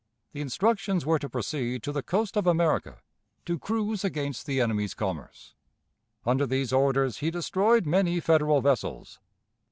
The instructions were to proceed to the coast of America, to cruise against the enemy's commerce. Under these orders he destroyed many Federal vessels.